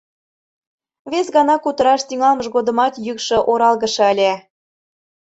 Вес гана кутыраш тӱҥалмыж годымат йӱкшӧ оралгыше ыле.